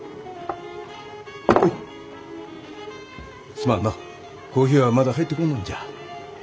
すまんのうコーヒーはまだ入ってこんのんじゃ。